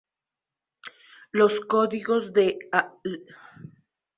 Los códigos de las armas nucleares fueron dejados al cuidado de Vicepresidente Ford.